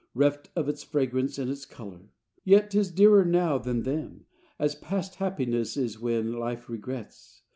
'Reft Of its fragrance and its color, Yet 'tis dearer now than then, As past happiness is when Life regrets.